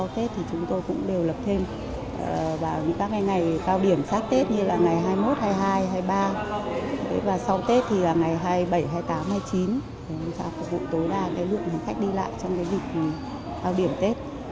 thì chúng ta phục vụ tối đa lượng khách đi lại trong dịp cao điểm tết